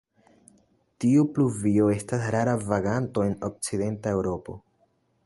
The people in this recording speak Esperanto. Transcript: Tiu pluvio estas rara vaganto en okcidenta Eŭropo.